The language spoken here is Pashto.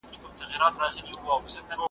د ونو ښکلا همدغه د ځنګدن .